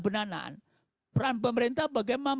benanan peran pemerintah bagaimana